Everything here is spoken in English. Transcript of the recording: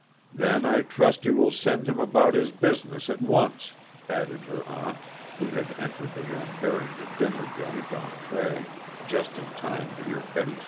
"Then I trust you will send him about his business at once," added her aunt, who had entered the room bearing the dinner joint on a tray, just in time to hear Betty's reply.